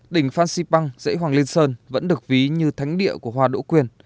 đỉnh phan xipang dãy hoàng liên sơn vẫn được ví như thánh địa của hoa đỗ quyền